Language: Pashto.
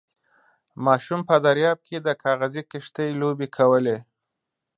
ماشوم په درياب کې د کاغذي کښتۍ لوبې کولې.